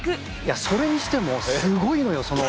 それにしてもすごいのよその。